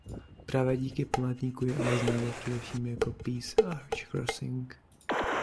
Právě díky památníku je ale známo především jako "Peace Arch Crossing".